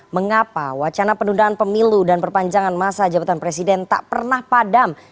mengapa wacana penundaan pemilu dan perpanjangan masa jabatan presiden tak pernah padam